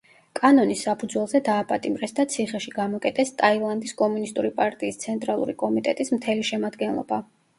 კანონის საფუძველზე დააპატიმრეს და ციხეში გამოკეტეს ტაილანდის კომუნისტური პარტიის ცენტრალური კომიტეტის მთელი შემადგენლობა.